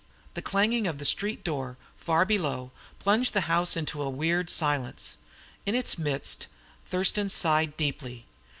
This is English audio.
The clanging of the street door, far below, plunged the house into a weird silence. In its midst Thurston sighed deeply.